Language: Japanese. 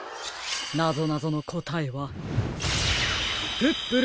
なぞなぞのこたえはプップル